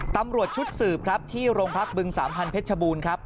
ตำรวจชุดสืบครับที่โรงพักบึงสามพันธ์เพชรชบูรณ์ครับ